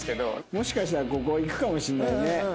もしかしたらここいくかもしれないね。